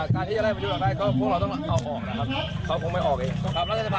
การที่จะไล่บันทิวดังได้พวกเราต้องเอาออกนะครับ